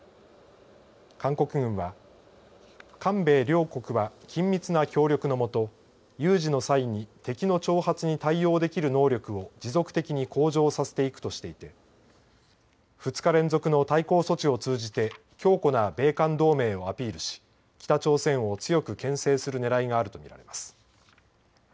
韓国軍は韓米両国は緊密な協力の下有事の際に敵の挑発に対応できる能力を持続的に向上させていくとしていて２日連続の対抗措置を通じて強固な米韓同盟をアピールし北朝鮮を強くけん制するねらいがあると見られます。